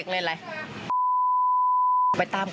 หนูสั่งมาบอกมาถาม